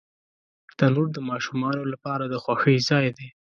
تنور د ماشومانو لپاره د خوښۍ ځای دی